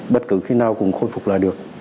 bất cứ khi nào cũng khôi phục là được